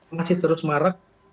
masih terus marah